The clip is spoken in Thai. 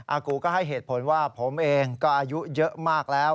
กูก็ให้เหตุผลว่าผมเองก็อายุเยอะมากแล้ว